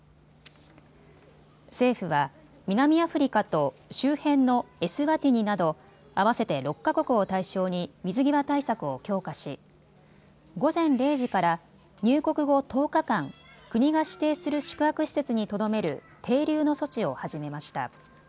政府は南アフリカと周辺のエスワティニなど合わせて６か国を対象に水際対策を強化し午前０時から入国後１０日間、国が指定する宿泊施設にとどめる停留の措置を始めました。